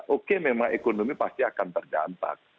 oke memang ekonomi pasti akan terdampak